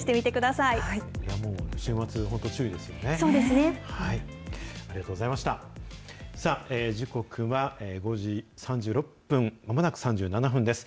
さあ、時刻は５時３６分、まもなく３７分です。